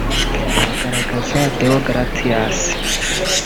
Bagaragaza Deogratias